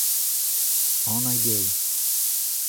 Annaig eo .